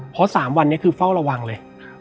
เพราะ๓วันนี้คือเฝ้าระวังเลย